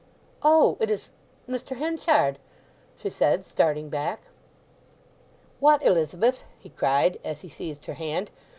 "Oh—it is—Mr. Henchard!" she said, starting back. "What, Elizabeth?" he cried, as he seized her hand.